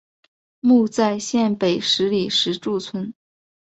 墓在县北十里石柱村。